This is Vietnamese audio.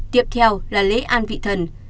tiếp theo là lễ an vị thần